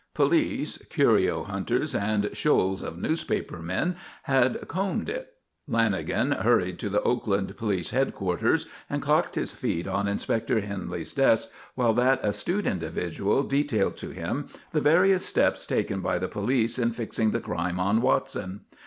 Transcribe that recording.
Police, curio hunters, and shoals of newspaper men had combed it Lanagan hurried to the Oakland police headquarters and cocked his feet on Inspector Henley's desk while that astute individual detailed to him the various steps taken by the police in fixing the crime on Watson.